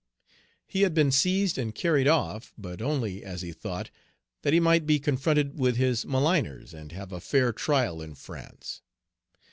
He had been seized and carried off, but only, as he thought, that he might be confronted with his maligners, and have a fair trial in France.